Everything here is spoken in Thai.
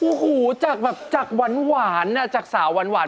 โอ้โฮจากหวานหวานจากสาวหวานหวาน